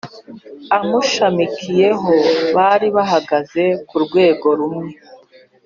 Amushamikiyeho bari bahagaze k’ urwego rumwe